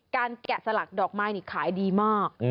แกะสลักดอกไม้นี่ขายดีมาก